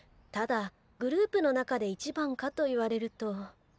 ただグループの中で一番かと言われると。